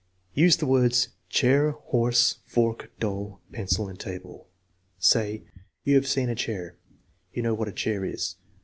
Use the words: Chair 9 horse, fork, doll, pencil, and table. Say: " You have seen a chair. You know what a chair is.